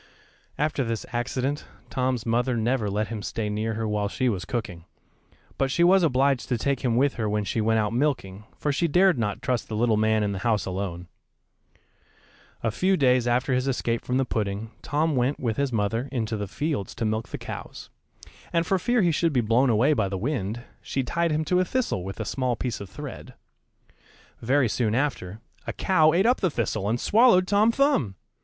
After this accident, Tom's mother never let him stay near her while she was cooking, but she was obliged to take him with her when she went out milking, for she dared not trust the little man in the house alone. A few days after his escape from the pudding, Tom went, with his mother, into the fields to milk the cows, and for fear he should be blown away by the wind, she tied him to a thistle with a small piece of thread. [Illustration: THE COW EATS TOM.] Very soon after, a cow eat up the thistle and swallowed Tom Thumb.